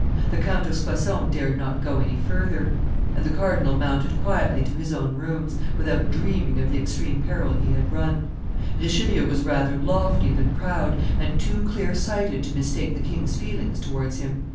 The Count of Soissons dared not go any further, and the cardinal mounted quietly to his own rooms, without dreaming of the extreme peril he had run. Richelieu was rather lofty than proud, and too clear sighted to mistake the king's feelings towards him.